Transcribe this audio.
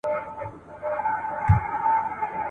د شهید جنازه پرېږدی د قاتل سیوری رانیسی ,